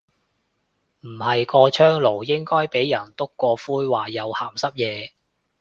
唔係，個窗爐應該俾人篤過灰話有鹹濕野。